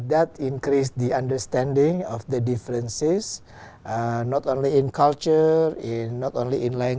happy new year trong ngôn ngữ việt nam